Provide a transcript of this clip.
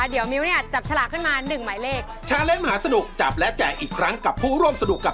เดี๋ยวช่วงหน้าได้รู้แน่